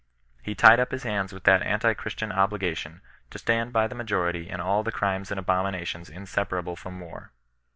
He tied up his hands with that anti Christian obligation, to stand by the ma jority in all the crimes and abominations inseparable from war.